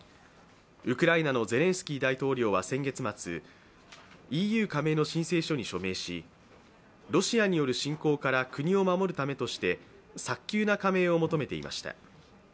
ウクライナのゼレンスキー大統領は先月末、ＥＵ加盟の申請書に署名し、ロシアによる侵攻から国を守るためとして早急な加盟を求めていました。